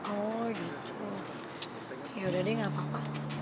oh gitu yaudah deh gak apa apa